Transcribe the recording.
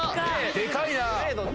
でかいな。